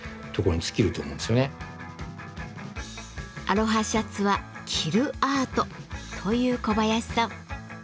「アロハシャツは着るアート」という小林さん。